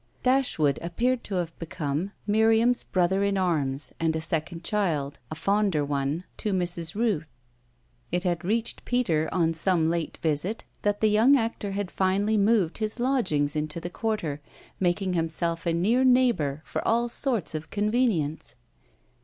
Dashwood appeared to have become Miriam's brother in arms and a second child a fonder one to Mrs. Rooth; it had reached Peter on some late visit that the young actor had finally moved his lodgings into the quarter, making himself a near neighbour for all sorts of convenience.